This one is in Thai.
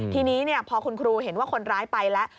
ทีนี้พอคุณครูเห็นว่าคนร้ายไปแล้ว